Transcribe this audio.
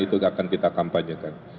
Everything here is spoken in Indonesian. itu akan kita kampanyekan